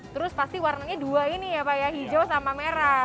terus pasti warnanya dua ini ya pak ya hijau sama merah